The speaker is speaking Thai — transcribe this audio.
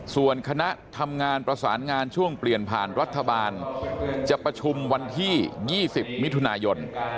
ส่วนคณะทำงานประสานงานช่วงเปลี่ยนผ่านรัฐบาลจะประชุมวันที่๒๐มิถุนายน